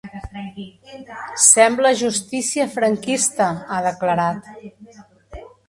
Sembla justícia franquista, ha declarat.